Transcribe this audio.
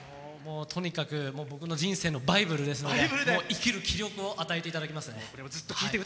とにかく僕の人生のバイブルですので生きる気力を与えていただいていますね。